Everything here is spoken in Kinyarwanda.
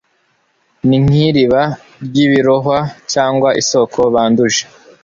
ni nk'iriba ry'ibirohwa cyangwa isoko banduje